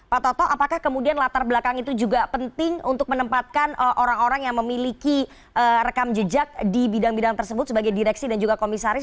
pak toto apakah kemudian latar belakang itu juga penting untuk menempatkan orang orang yang memiliki rekam jejak di bidang bidang tersebut sebagai direksi dan juga komisaris